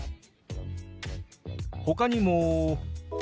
ほかにも。